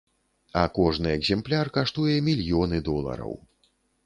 А кожны экземпляр каштуе мільёны долараў.